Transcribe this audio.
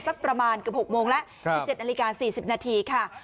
สักประมาณเกือบ๖โมงแล้ว๑๗นาฬิกา๔๐นาทีค่ะ